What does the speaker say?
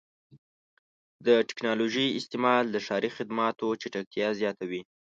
د ټکنالوژۍ استعمال د ښاري خدماتو چټکتیا زیاتوي.